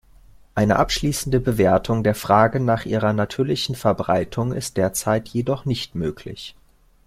Eine abschließende Bewertung der Frage nach ihrer natürlichen Verbreitung ist derzeitig jedoch nicht möglich.